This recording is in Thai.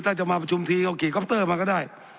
ถ้าจะมาประชุมทีก็ขี่คอปเตอร์มาก็ได้